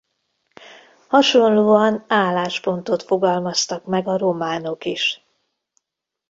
Hasonlóan álláspontot fogalmaztak meg a románok is.